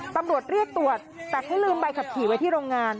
ตำรวจเรียกตรวจแต่ให้ลืมใบขับขี่ไว้ที่โรงงาน